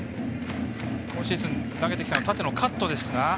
今シーズン投げてきたのは縦のカットですが。